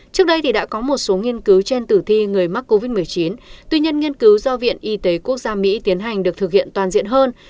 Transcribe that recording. trước đây thì đã có một số nghiên cứu trên tử thi người mắc covid một mươi chín tuy nhiên nghiên cứu do viện y tế quốc gia mỹ tiến hành được thực hiện toàn diện hơn